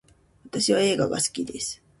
私は映画が好きです